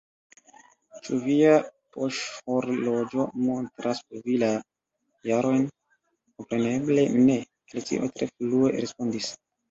"Ĉu via poŝhorloĝo montras por vi la jarojn?" "Kompreneble ne!" Alicio tre flue respondis.